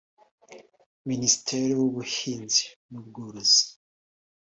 Ministiri w’ubuhinzi n’ubworozi